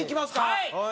はい！